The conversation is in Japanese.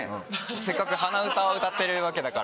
せっかく鼻歌を歌ってるわけだから。